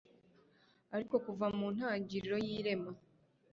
Ariko kuva mu ntangiriro y irema